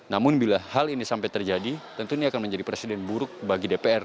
namun bila hal ini sampai terjadi tentu ini akan menjadi presiden buruk bagi dpr